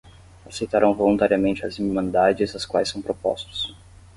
Aceitarão voluntariamente as irmandades às quais são propostos.